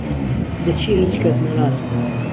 دەچیە هیچکەس نەناسە